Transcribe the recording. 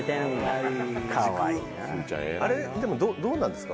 あれでもどうなんですか？